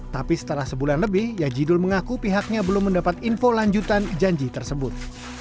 tapi setelah sebulan lebih yajidul mengaku pihaknya belum mendapat info lanjutan janji tersebut